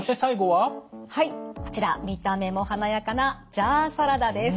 はいこちら見た目も華やかなジャーサラダです。